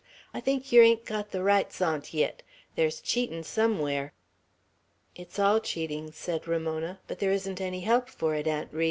"I think yer hain't got the rights on't yit. There's cheatin' somewhere!" "It's all cheating." said Ramona; "but there isn't any help for it, Aunt Ri.